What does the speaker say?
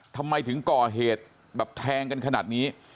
ทำไมถึงก่อเหตุแบบแทงกันขนาดนี้